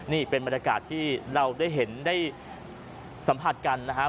นี่เป็นบรรยากาศที่เราได้เห็นได้สัมผัสกันนะฮะ